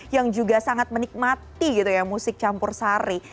yang juga sangat menikmati gitu ya musik campur sari